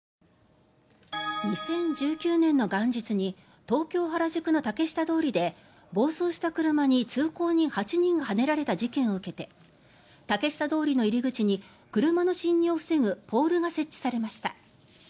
２０１９年の元日に東京・原宿の竹下通りで暴走した車に通行人８人がはねられた事件を受けて竹下通りの入り口に車の進入を防ぐポールが設置されました。